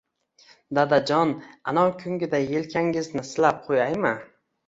Dadajon, anov kungiday yelkangizni silab qo‘yaymi?